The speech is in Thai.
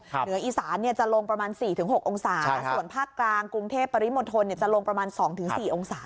เหนืออีสานจะลงประมาณ๔๖องศาส่วนภาคกลางกรุงเทพปริมณฑลจะลงประมาณ๒๔องศา